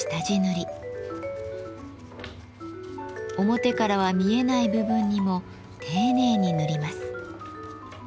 表からは見えない部分にも丁寧に塗ります。